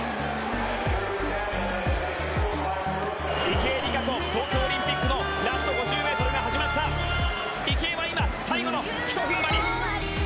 池江璃花子、東京オリンピックのラスト５０ｍが始まった池江は今、最後のひとふんばり！